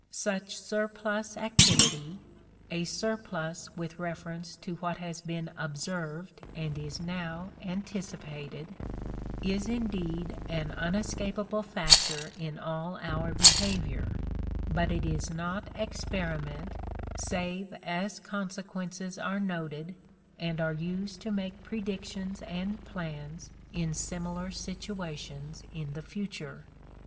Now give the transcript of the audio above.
Such surplus activity a surplus with reference to what has been observed and is now anticipated is indeed an unescapable factor in all our behavior, but it is not experiment save as consequences are noted and are used to make predictions and plans in similar situations in the future.